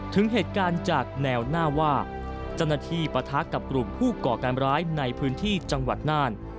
ถึงเหตุการณ์จากแนวหน้าว่าเจ้าหน้าที่ปะทะกับกลุ่มผู้ก่อการร้ายในพื้นที่จังหวัดน่าน